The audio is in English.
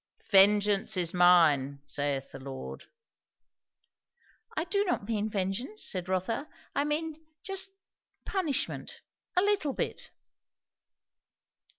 'Vengeance is mine,' saith the Lord." "I do not mean vengeance," said Rotha. "I mean, just punishment a little bit."